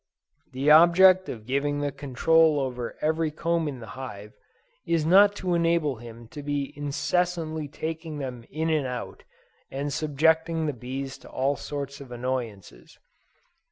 The object of giving the control over every comb in the hive, is not to enable him to be incessantly taking them in and out, and subjecting the bees to all sorts of annoyances.